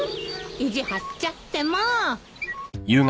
意地張っちゃってもう。